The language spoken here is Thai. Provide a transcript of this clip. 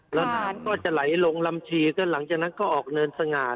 ครับก็จะไหลลงรำชีก็หลังจากนั้นก็ออกเนินสงาน